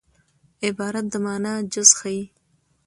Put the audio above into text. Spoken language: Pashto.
عبارت د مانا جز ښيي.